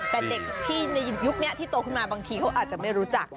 แต่เด็กที่ในยุคนี้ที่โตขึ้นมาบางทีเขาอาจจะไม่รู้จัก